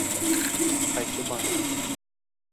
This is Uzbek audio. Qaysi bank?